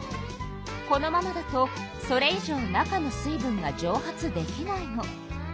このままだとそれ以上中の水分がじょう発できないの。